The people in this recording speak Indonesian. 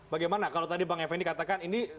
bagaimana kalau tadi bang effendi katakan ini